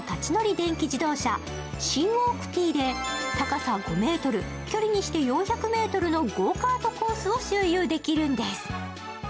電気自動車・Ｃ＋ｗａｌｋＴで高さ５ｍ、距離にして４００ｍのゴーカートコースを周遊できるんです。